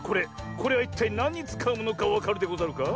これはいったいなんにつかうものかわかるでござるか？